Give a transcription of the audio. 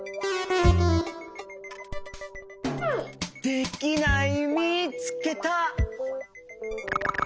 できないみつけた！